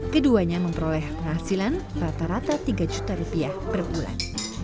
keduanya memperoleh penghasilan rata rata tiga juta rupiah per bulan